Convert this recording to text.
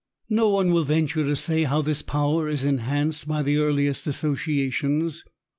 No one will venture to say how this power is enhanced by the earliest associations.